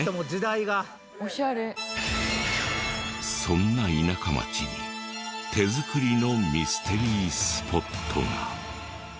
そんな田舎町に手作りのミステリースポットが。